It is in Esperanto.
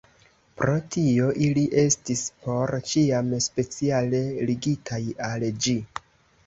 Pro tio, ili estis por ĉiam speciale ligitaj al ĝi.